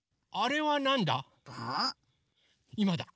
いまだ！